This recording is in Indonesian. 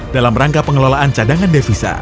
dalam rangka pengelolaan cadangan devisa